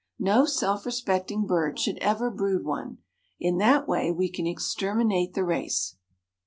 No self respecting bird should ever brood one; in that way we can exterminate the race."